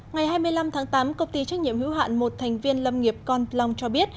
ngày hai mươi năm tháng tám công ty trách nhiệm hữu hạn một thành viên lâm nghiệp con plong cho biết